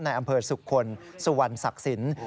ในอำเภอสุขลสุวรรณศักดิ์สิน